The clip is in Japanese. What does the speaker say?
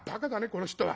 この人は。